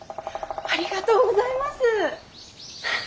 ありがとうございます。